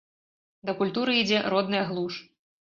Да культуры ідзе родная глуш.